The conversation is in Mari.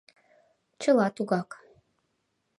Чыла тугак.